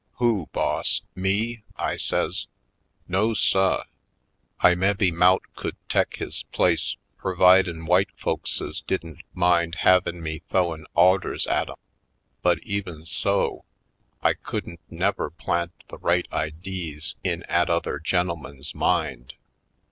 "Who, boss, me?" I says. "No suh! I mebbe mout could tek his place pervidin' w'ite f olkses didn't mind havin' me th'owin' awders at 'em, but even so, I couldn't never plant the right idees in 'at other gen'el man's mind."